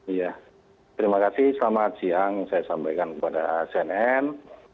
iya terima kasih selamat siang saya sampaikan kepada cnn